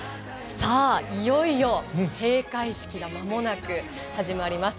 いよいよ、閉会式がまもなく始まります。